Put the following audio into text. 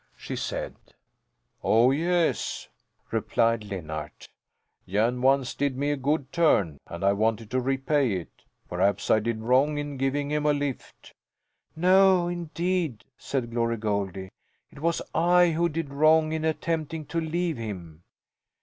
she said. "Oh, yes," replied Linn art. "Jan once did me a good turn and I wanted to repay it. Perhaps I did wrong in giving him a lift?" "No, indeed!" said Glory Goldie. "It was I who did wrong in attempting to leave him."